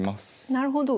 なるほど。